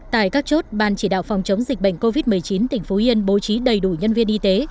tại các chốt ban chỉ đạo phòng chống dịch bệnh covid một mươi chín tỉnh phú yên bố trí đầy đủ nhân viên y tế